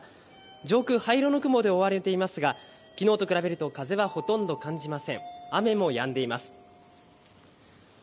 上空、灰色の雲で覆われていますが、きのうと比べると風はほとんど感じません。